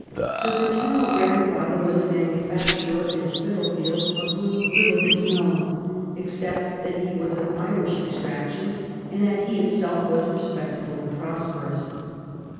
Her paternal grandfather was a manufacturer in Spitalfields, of whom little is known, except that he was of Irish extraction and that he himself was respectable and prosperous.